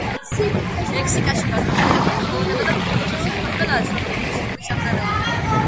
მექსიკაში განვითარებულია ხელოვნება და კულტურა, საქვეყნოდაა ცნობილი მექსიკური სამზარეულო.